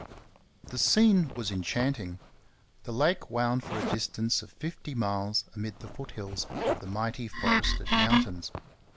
The scene was enchanting. The lake wound for a distance of fifty miles amid the foot hills of the mighty forested mountains.